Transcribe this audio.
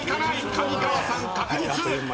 上川さん確実！